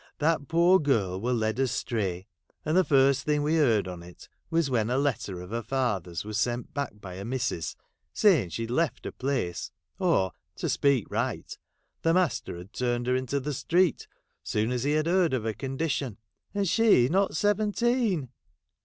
That poor girl were led astray ; and first thing we heard on it, was when a letter of her father's was sent back by her missus, saying she'd left her place, or, to speak right, the master had turned her into the street soon as he had heard of her condition — and she not seventeen